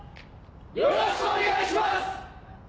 よろしくお願いします！